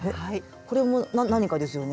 これも何かですよね